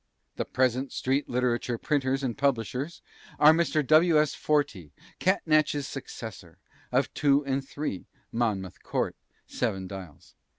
The present street literature printers and publishers are Mr. W. S. Fortey (Catnach's successor), of 2 and 3, Monmouth Court, Seven Dials.